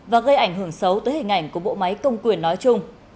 và gây ảnh hưởng xấu tới hình ảnh của bộ máy công quyền nói chung